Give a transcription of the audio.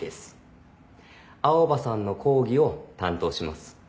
青羽さんの講義を担当します。